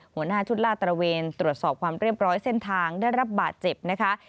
หัวหน้าชุดลาดตระเวนตรวจสอบความเรียบร้อยเส้นทางได้รับบาดเจ็บนะคะ